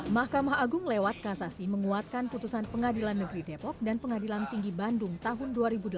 mahkamah agung lewat kasasi menguatkan putusan pengadilan negeri depok dan pengadilan tinggi bandung tahun dua ribu delapan belas